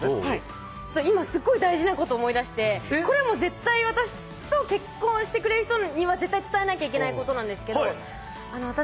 今すっごい大事なこと思い出してこれ絶対私と結婚してくれる人には絶対伝えなきゃいけないことなんですけど私